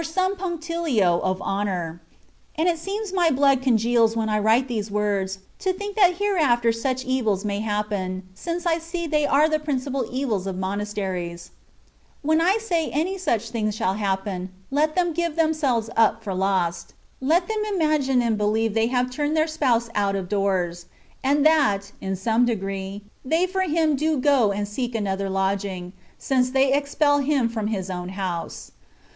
41 some punctilio of honour (and it seems my blood congeals when I write these words, to think that hereafter such evils may happen, since I see they are the principal evil of monasteries) ; when I say any such things shall happen, let them give them selves up for lost ; let them imagine and believe that they have turned their Spouse out of doors, and that, in some degree, they for Him do go and seek another lodging, since they expel Him from His own house.